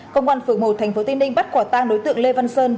công an phường một thành phố tây ninh bắt quả tang đối tượng lê văn sơn